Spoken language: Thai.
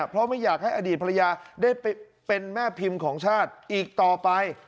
เพราะไม่อยากให้อดีตภรรยาได้เป็นแม่พิมพ์ของชาติอีกต่อไป